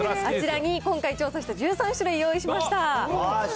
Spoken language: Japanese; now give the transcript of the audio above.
あちらに、今回調査した１３種類用意しました。